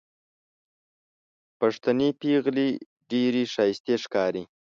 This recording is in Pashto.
پښتنې پېغلې ډېرې ښايستې ښکاري